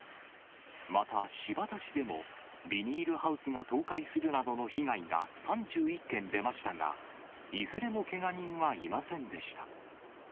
また新発田市でも、ビニールハウスが倒壊するなどの被害が３１件出ましたが、いずれもけが人はいませんでした。